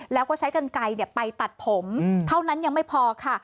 แล้วก็ใช้กันไกลไปตัดผมเท่านั้นยังไม่พอค่ะ